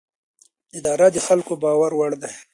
اداره د خلکو د باور وړ وي.